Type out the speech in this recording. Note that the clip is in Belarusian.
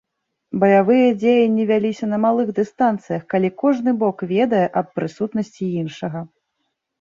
Баявыя дзеянні вяліся на малых дыстанцыях, калі кожны бок ведае аб прысутнасці іншага.